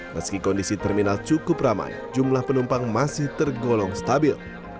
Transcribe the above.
meski kondisi terminal cukup ramai jumlah penumpang masih tergolong stabil